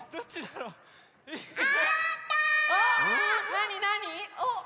なになに？